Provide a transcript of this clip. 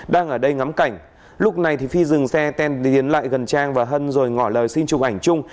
đang ở đây ngắm cảnh lúc này thì phi dừng xe tên hiền lại gần trang và hân rồi ngỏ lời xin chụp ảnh chung